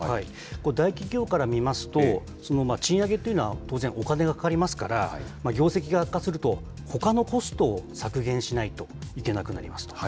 大企業から見ますと、賃上げというのは当然、お金がかかりますから、業績が悪化すると、ほかのコストを削減しないといけなくなります。